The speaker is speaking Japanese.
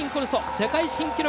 世界新記録！